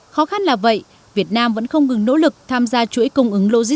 khó khăn là vậy việt nam vẫn không ngừng nỗ lực tham gia chuỗi cung ứng logistics